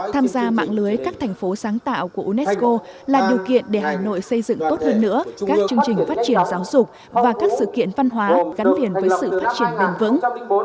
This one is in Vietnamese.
tham gia mạng lưới các thành phố sáng tạo của unesco là điều kiện để hà nội xây dựng tốt hơn nữa các chương trình phát triển giáo dục và các sự kiện văn hóa gắn liền với sự phát triển bền vững